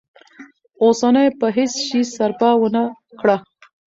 اوسنيو په هیڅ شي سرپه ونه کړه.